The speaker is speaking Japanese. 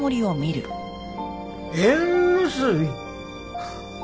「縁結び」！